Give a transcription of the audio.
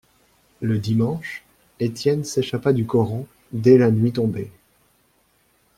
Le dimanche, Étienne s'échappa du coron, dès la nuit tombée.